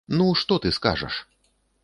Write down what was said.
Ну, што ты скажаш?